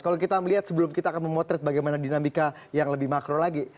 kalau kita melihat sebelum kita akan memotret bagaimana dinamika yang lebih makro lagi